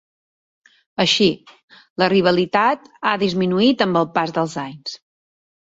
Així, la rivalitat ha disminuït amb el pas dels anys